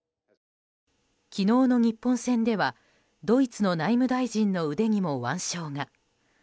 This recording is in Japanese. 昨日の日本戦では、ドイツの内務大臣の腕にも腕章が。